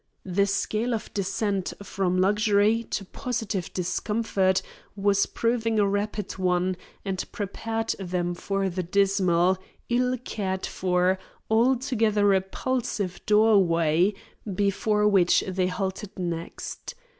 The scale of descent from luxury to positive discomfort was proving a rapid one and prepared them for the dismal, ill cared for, altogether repulsive doorway before which they halted next.